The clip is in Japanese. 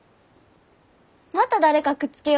また誰かくっつけようとしたん？